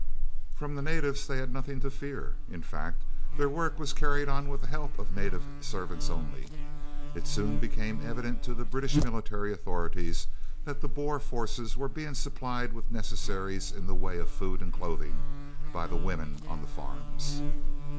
From the natives they had nothing to fear in fact, their work was carried on with the help of native servants only. It soon became evident to the British military authorities that the Boer forces were being supplied with necessaries in the way of food and clothing by the women on the farms.